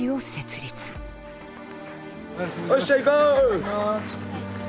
おっしゃ行こう！